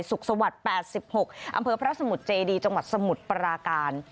สุขสวัสดิ์๘๖อำเภอพระสมุทรเจดีจังหวัดสมุทรปราการ